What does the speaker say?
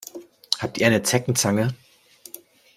Habt ihr eine Zeckenzange?